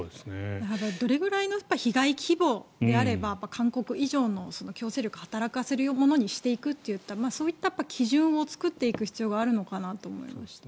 どれぐらいの被害規模であれば、勧告以上の強制力を働かせるものにしていくかっていう基準を作っていく必要があるのかなと思いました。